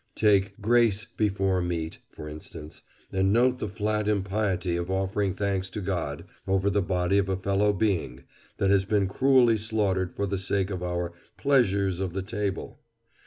Take "grace before meat," for instance, and note the flat impiety of offering thanks to God over the body of a fellow being that has been cruelly slaughtered for the sake of our "pleasures of the table."